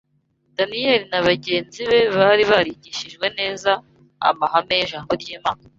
Daniyeli na bagenzi be bari barigishijwe neza amahame y’ijambo ry’Imana